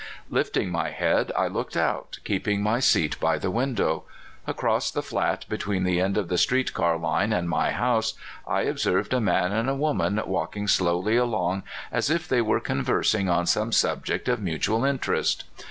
Lifting my head, I looked out, keeping my seat by the window. Across the flat between the end of the street car line and my house I observed a man and a woman walking slowly along as if they were conversing on some subject of mutual interest.